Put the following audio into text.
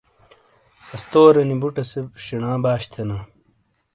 استورینی بُٹے سے شینا باش تھینا۔